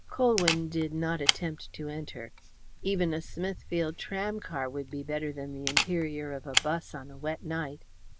Colwyn did not attempt to enter. Even a Smithfield tram car would be better than the interior of a 'bus on a wet night.